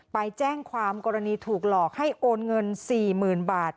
ไปแจ้งความกรณีถูกหลอกให้โอนเงิน๔๐๐๐บาท